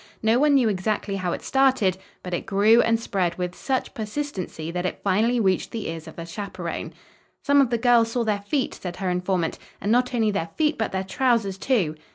No one knew exactly how it started, but it grew and spread with such persistency that it finally reached the ears of the chaperon. "Some of the girls saw their feet," said her informant, "and not only their feet but their trousers, too."